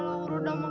eh udah makan dong ya